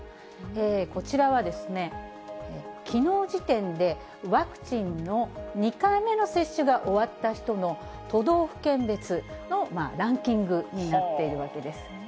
こちらは、きのう時点でワクチンの２回目の接種が終わった人の都道府県別のランキングになっているわけです。